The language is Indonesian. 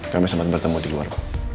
kami sempat bertemu di keluarga